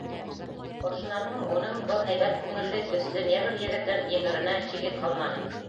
Ошонан һуң уның был һәйбәт күңелле көслө негр егетен еңеренә шиге ҡалманы.